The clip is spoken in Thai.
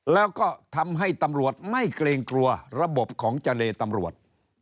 แล้วก็ทำให้ตำรวจไม่เกรงกลัวระบบของเจรตำรวจ